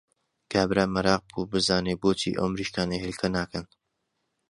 کابرا مەراق بوو بزانێ بۆچی ئەو مریشکانە هێلکە ناکەن!